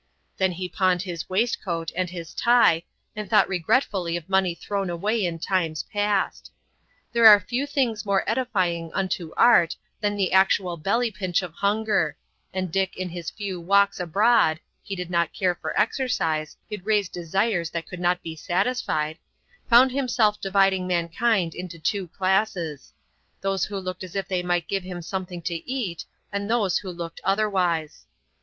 Then he pawned his waistcoat and his tie, and thought regretfully of money thrown away in times past. There are few things more edifying unto Art than the actual belly pinch of hunger, and Dick in his few walks abroad,—he did not care for exercise; it raised desires that could not be satisfied—found himself dividing mankind into two classes,—those who looked as if they might give him something to eat, and those who looked otherwise.